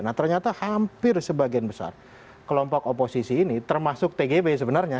nah ternyata hampir sebagian besar kelompok oposisi ini termasuk tgb sebenarnya